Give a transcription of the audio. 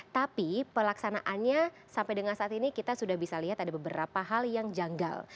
tapi pelaksanaannya sampai dengan saat ini kita sudah bisa lihat ada beberapa hal yang janggal